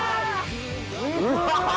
・うわ！